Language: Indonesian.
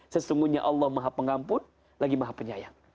sesungguhnya allah maha pengampun lagi maha penyayang